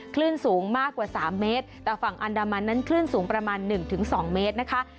คลื่นสูงมากกว่าสามเมตรแต่ฝั่งอันดามันนั้นคลื่นสูงประมาณหนึ่งถึงสองเมตรนะคะ